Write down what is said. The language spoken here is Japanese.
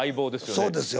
そうですよ。